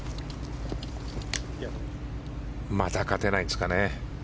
また勝てないんですかね。